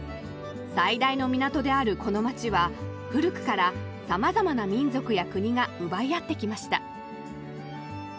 最大の港であるこの街は古くからさまざまな民族や国が奪い合ってきました。